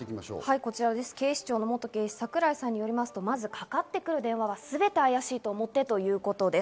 警視庁元警視・櫻井さんによりますと、まずかかってくる電話はすべて怪しいと思ってということです。